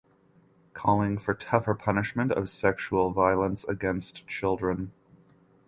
Calling for tougher punishment of sexual violence against children.